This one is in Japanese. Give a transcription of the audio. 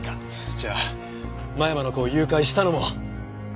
じゃあ間山の子を誘拐したのも！